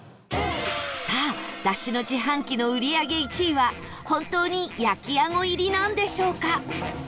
さあ、だしの自販機の売り上げ１位は本当に焼きあご入りなんでしょうか？